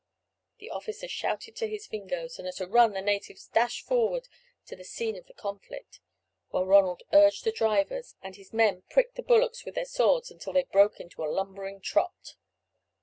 The officer shouted to his Fingoes, and at a run the natives dashed forward to the scene of the conflict, while Ronald urged the drivers, and his men pricked the bullocks with their swords until they broke into a lumbering trot.